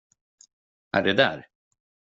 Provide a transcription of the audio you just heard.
Är det där?